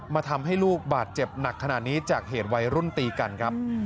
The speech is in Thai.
ทำให้ลูกบาดเจ็บหนักขนาดนี้จากเหตุวัยรุ่นตีกันครับ